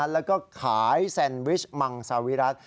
แล้วก็ขายแซนวิชมังซาวิรัติ